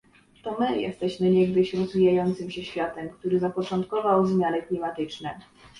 To my jesteśmy niegdyś rozwijającym się światem, który zapoczątkował zmiany klimatyczne